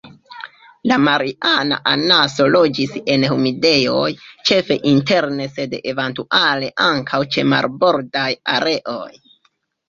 La Mariana anaso loĝis en humidejoj, ĉefe interne sed eventuale ankaŭ ĉe marbordaj areoj.